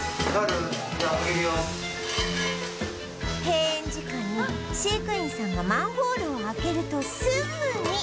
閉園時間に飼育員さんがマンホールを開けるとすぐに